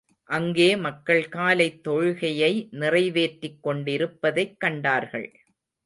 அங்கே மக்கள் காலைத் தொழுகையை நிறைவேற்றிக் கொண்டிருப்பதைக் கண்டார்கள்.